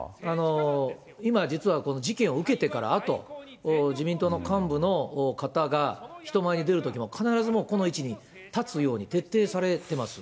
今、実は事件を受けてからあと、自民党の幹部の方が、人前に出るときも、必ずもうこの位置に立つように徹底されてます。